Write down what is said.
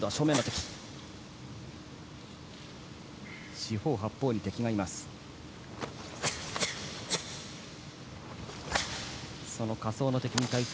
四方八方に敵がいます。